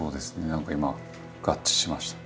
何か今合致しました。